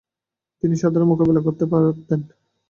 তিনি সাদরে মোকাবেলা করতেন।